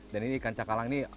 dan ini ikan cakalang nih